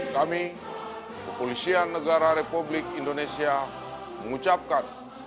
kami kepolisian negara republik indonesia mengucapkan